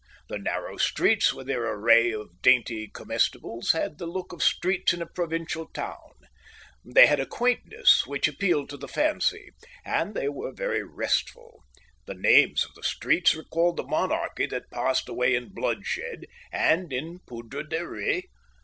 The narrow streets, with their array of dainty comestibles, had the look of streets in a provincial town. They had a quaintness which appealed to the fancy, and they were very restful. The names of the streets recalled the monarchy that passed away in bloodshed, and in poudre de riz.